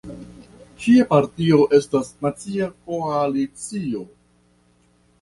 Ŝia partio estas Nacia Koalicio.